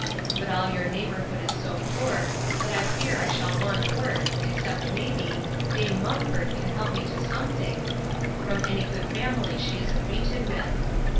But all your neighbourhood is so poor, that I fear I shall want work, except, may be, dame Mumford can help me to something, from any good family she is acquainted with.